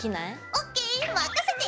ＯＫ任せて！